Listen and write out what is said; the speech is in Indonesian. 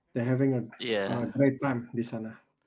mereka memiliki waktu yang bagus di sana